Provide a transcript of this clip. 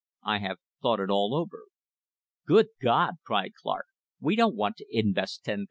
I have thought it. all over." "Good God!" cried Clark, "we don't want to invest $10,000.